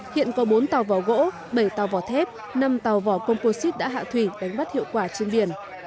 hiện có bốn tàu vỏ gỗ bảy tàu vỏ thép năm tàu vỏ composite đã hạ thủy đánh bắt hiệu quả trên biển